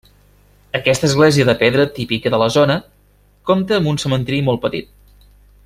Aquesta església de pedra típica de la zona, compta amb un cementeri molt petit.